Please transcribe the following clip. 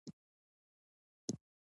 پور اخیستل د اړتیا په وخت کې کیږي.